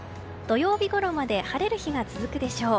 土曜日ごろまで晴れる日が続くでしょう。